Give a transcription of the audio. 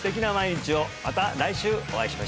また来週お会いしましょう！